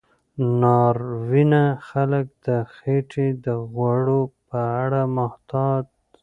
ناروینه خلک د خېټې د غوړو په اړه محتاط وي.